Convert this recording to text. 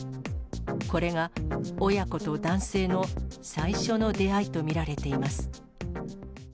これが親子と男性の最初の出会いと見られています。